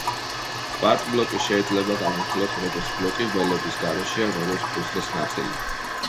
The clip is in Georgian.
კვარტბლოკი შეიძლება განვიხილოთ, როგორც ბლოკი ველების გარეშე ან როგორც ფურცლის ნაწილი.